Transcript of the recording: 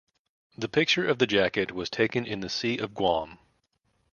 The picture of the jacket was taken in the sea of Guam.